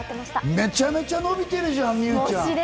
めちゃめちゃ伸びてるじゃん、美羽ちゃん！